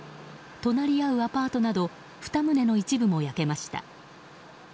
隣り合うアパートなど２棟の一部も焼けました。